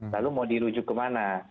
lalu mau dirujuk ke mana